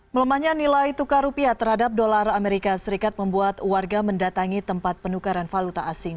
melemahnya nilai tukar rupiah terhadap dolar amerika serikat membuat warga mendatangi tempat penukaran valuta asing